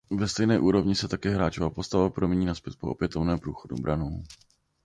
Ve stejné úrovni se také hráčova postava promění nazpět po opětovném průchodu branou.